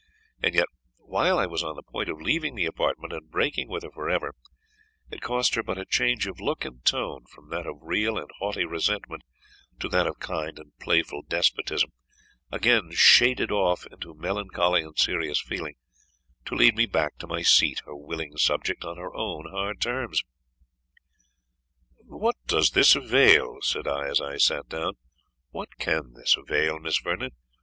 And yet, while I was on the point of leaving the apartment, and breaking with her for ever, it cost her but a change of look and tone, from that of real and haughty resentment to that of kind and playful despotism, again shaded off into melancholy and serious feeling, to lead me back to my seat, her willing subject, on her own hard terms. "What does this avail?" said I, as I sate down. "What can this avail, Miss Vernon?